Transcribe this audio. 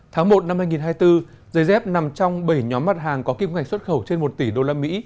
tháng một năm hai nghìn hai mươi bốn giày dép nằm trong bảy nhóm mặt hàng có kim ngạch xuất khẩu trên một tỷ usd